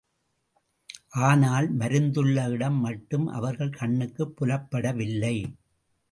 ஆனால் மருந்துள்ள இடம் மட்டும் அவர்கள் கண்ணுக்குப் புலப்படவில்லை.